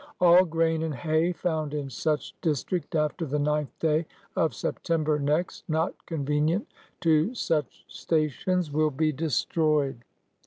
All grain and hay found in such district after the 9th day of September next, not convenient to such stations, will be destroyed."